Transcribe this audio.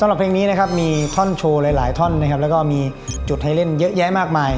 เพลงนี้นะครับมีท่อนโชว์หลายท่อนนะครับแล้วก็มีจุดให้เล่นเยอะแยะมากมาย